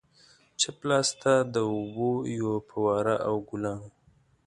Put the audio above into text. چپ لاسته د اوبو یوه فواره او ګلان وو.